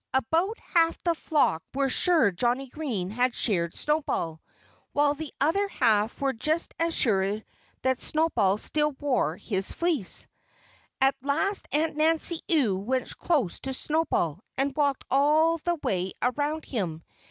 About half the flock were sure Johnnie Green had sheared Snowball; while the other half were just as sure that Snowball still wore his fleece. At last Aunt Nancy Ewe went close to Snowball and walked all the way around him.